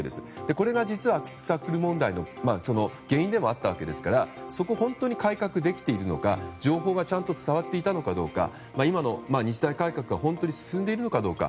これが実は、悪質タックル問題の原因でもあったわけですからそこを本当に改革できているのか情報がちゃんと伝わっていたのか今の日大改革が本当に進んでいるのかどうか。